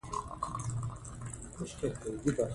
اداري اصلاحات د فساد د مخنیوي او باور د پیاوړتیا وسیله دي